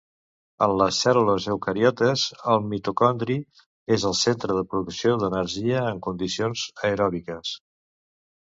En les cèl·lules eucariotes el mitocondri és el centre de producció d'energia en condicions aeròbiques.